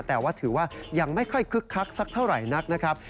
แต่ว่าถือว่ายังไม่ค่อยคึกคักสักเท่าไหร่นักนะครับ